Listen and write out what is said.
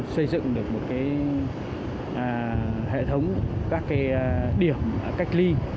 xây dựng được một cái hệ thống các cái điểm cách ly